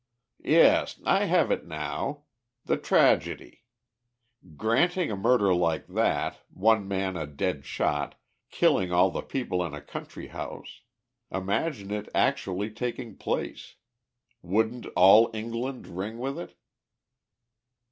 "Yes, I have it now. The tragedy. Granting a murder like that, one man a dead shot, killing all the people in a country house; imagine it actually taking place. Wouldn't all England ring with it?"